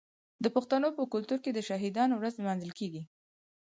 د پښتنو په کلتور کې د شهیدانو ورځ لمانځل کیږي.